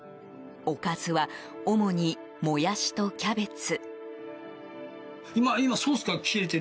おかずは主に、モヤシとキャベツ。